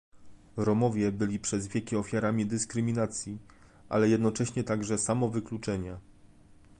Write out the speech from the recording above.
Romowie byli przez wieki ofiarami dyskryminacji, ale jednocześnie także samowykluczenia